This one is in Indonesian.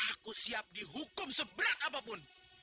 aku siap dihukum seberat apapun